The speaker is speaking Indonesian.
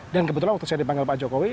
dan kebetulan waktu saya dipanggil pak jokowi